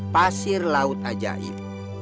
pasir laut ajaib